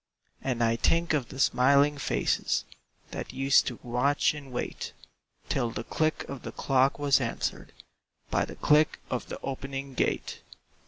And I think of the smiling faces That used to watch and wait, Till the click of the clock was answered By the click of the opening gate.